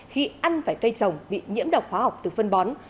khi ăn phải cây trồng bị nhiễm độc hóa học từ phân bón